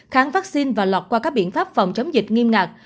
kháng vaccine và lọt qua các biện pháp phòng chống dịch nghiêm ngạc